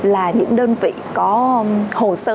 là những đơn vị có hồ sơ